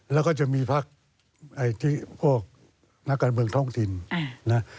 แล้วก็จะมีพักพวกนักการเมืองท้องถิ่นนะ